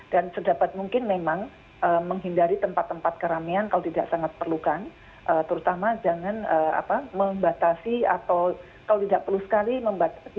dan sedapat mungkin memang menghindari tempat tempat keramaian kalau tidak ada orang sakit